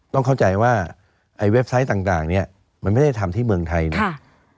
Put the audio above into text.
ต้องเข้าใจว่าไอ้เว็บไซต์ต่างเนี่ยมันไม่ได้ทำที่เมืองไทยนะ